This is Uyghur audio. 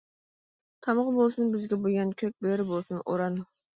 تامغا بولسۇن بىزگە بۇيان، كۆك بۆرە بولسۇن ئۇران.